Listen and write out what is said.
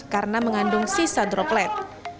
karena mengandung sisa droplet